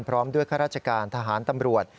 พร้อมด้วยข้าราชการทหารตำรวจ